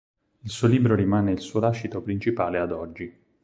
Il suo libro rimane il suo lascito principale ad oggi.